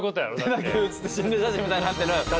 手だけ写って心霊写真みたいになってる。